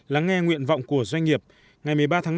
lắng nghe nguyện vọng của doanh nghiệp ngày một mươi ba tháng năm